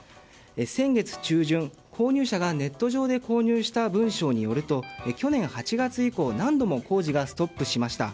先月中旬、購入者がネット上で購入した文書によると去年８月以降何度も工事がストップしました。